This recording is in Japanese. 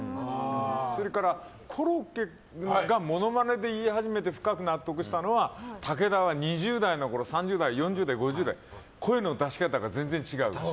それからコロッケ君がモノマネで言い始めて深く納得したのは武田は２０代のころ３０代、４０代、５０代声の出し方が全然違う。